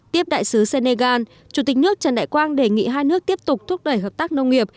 tiếp đại sứ senegal chủ tịch nước trần đại quang đề nghị hai nước tiếp tục thúc đẩy hợp tác nông nghiệp